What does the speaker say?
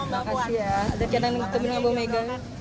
makasih ya ada celan bertemu dengan bu megawai